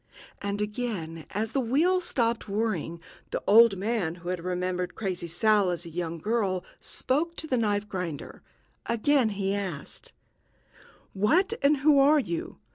And again, as the wheel stopped whirring, the old man who had remembered Crazy Sal as a young girl spoke to the knife grinder; again he asked: "What and who are you?